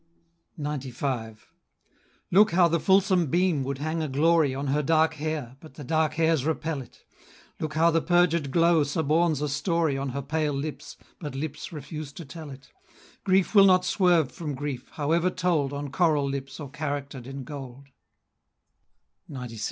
XCV. Look how the fulsome beam would hang a glory On her dark hair, but the dark hairs repel it; Look how the perjured glow suborns a story On her pale lips, but lips refuse to tell it; Grief will not swerve from grief, however told On coral lips, or character'd in gold; XCVI.